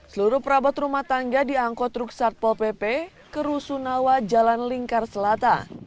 seluruh perabot rumah tangga diangkut truk satpol pp ke rusunawa jalan lingkar selatan